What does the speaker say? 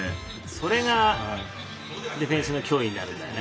それが、ディフェンスの脅威になるんだよね。